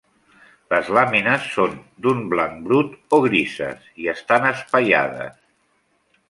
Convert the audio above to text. Les làmines són d'un blanc brut o grises i estan espaiades.